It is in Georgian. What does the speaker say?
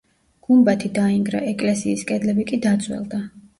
გუმბათი დაინგრა, ეკლესიის კედლები კი დაძველდა.